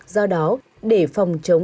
do đó để phòng chống